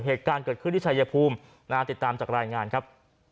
เหตุการณ์เกิดขึ้นที่ชายภูมิติดตามจากรายงานครับ